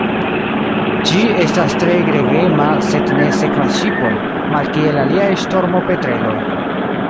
Ĝi estas tre gregema, sed ne sekvas ŝipojn, malkiel aliaj ŝtormopetreloj.